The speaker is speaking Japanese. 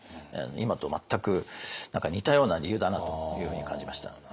今と全く似たような理由だなというふうに感じました。